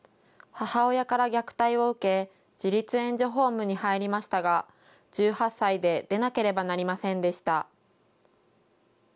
母親から虐待を受け、自立援助ホームに入りましたが、１８歳で出なければなりませんでした。